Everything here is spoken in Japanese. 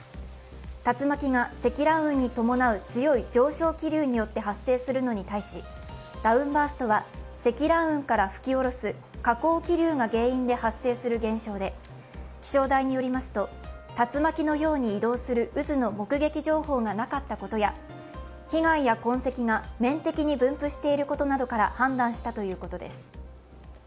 竜巻が積乱雲に伴う強い上昇気流によって発生するのに対しダウンバーストは積乱雲から吹き降ろす下降気流が原因で発生する現象で気象台によりますと、竜巻のように移動する渦の目撃情報がなかったことや被害や痕跡が面的に分布していることなどから判断したということです。